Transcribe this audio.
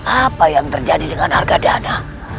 apa yang terjadi dengan harga dana